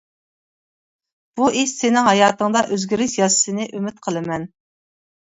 بۇ ئىش سېنىڭ ھاياتىڭدا ئۆزگىرىش ياسىشىنى ئۈمىد قىلىمەن.